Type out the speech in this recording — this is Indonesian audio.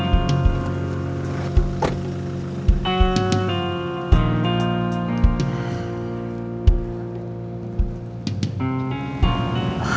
aku udah selesai